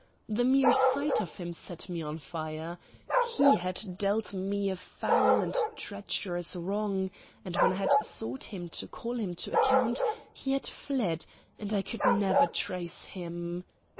The mere sight of him set me on fire. He had dealt me a foul and treacherous wrong, and when I had sought him to call him to account he had fled, and I could never trace him.